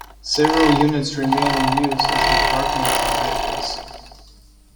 Several units remain in use as departmental vehicles.